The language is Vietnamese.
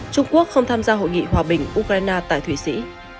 trung quốc không tham gia hội nghị hòa bình ukraine tại thụy sĩ